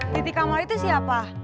titi kamal itu siapa